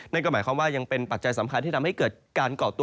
นั่นก็หมายความว่ายังเป็นปัจจัยสำคัญที่ทำให้เกิดการเกาะตัว